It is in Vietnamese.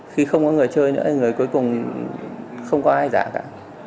khi không có người chơi nữa thì người cuối cùng không có ai giả cả